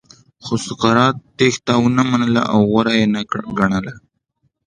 خو سقراط تېښته ونه منله او غوره یې نه ګڼله.